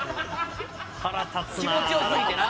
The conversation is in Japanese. ・腹立つな。